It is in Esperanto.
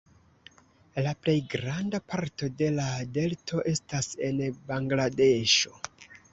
La plej granda parto de la delto estas en Bangladeŝo.